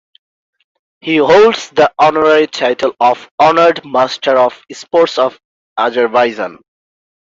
He holds the honorary title of Honored Master of Sports of Azerbaijan.